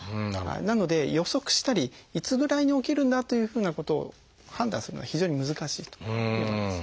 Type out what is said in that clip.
なので予測したりいつぐらいに起きるんだというふうなことを判断するのは非常に難しいと思います。